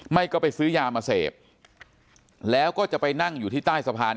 ไม่ก็ไปซื้อยามาเสพแล้วก็จะไปนั่งอยู่ที่ใต้สะพาน